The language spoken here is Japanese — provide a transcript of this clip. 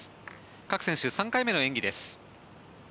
各選手、３回目の演技です。